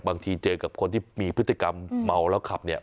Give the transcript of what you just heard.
บางทีเจอกับคนที่มีพฤติกรรมเมาแล้วขับเนี่ย